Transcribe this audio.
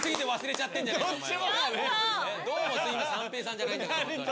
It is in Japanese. どうもすいま三平さんじゃないんだから。